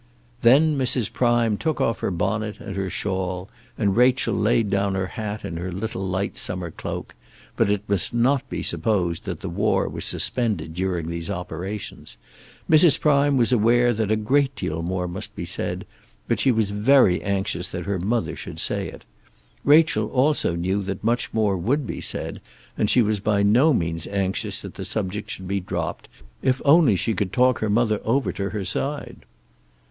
Then Mrs. Prime took off her bonnet and her shawl, and Rachel laid down her hat and her little light summer cloak; but it must not be supposed that the war was suspended during these operations. Mrs. Prime was aware that a great deal more must be said, but she was very anxious that her mother should say it. Rachel also knew that much more would be said, and she was by no means anxious that the subject should be dropped, if only she could talk her mother over to her side.